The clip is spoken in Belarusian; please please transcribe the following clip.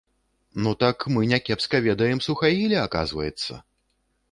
Ну так, мы някепска ведаем суахілі, аказваецца.